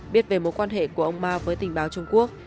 biết về mối quan hệ của ông ma với tình báo trung quốc